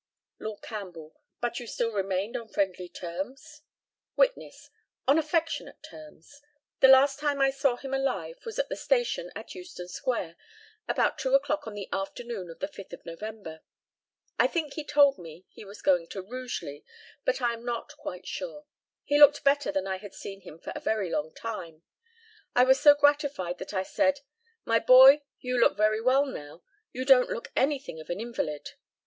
Lord CAMPBELL: But you still remained on friendly terms? Witness: On affectionate terms. The last time I saw him alive was at the station at Euston square, about two o'clock on the afternoon of the 5th of November. I think he told me he was going to Rugeley, but I am not quite sure; he looked better than I had seen him for a very long time. I was so gratified that I said, "My boy, you look very well now; you don't look anything of an invalid."